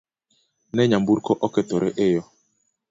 Ne nyamburko okethore e yoo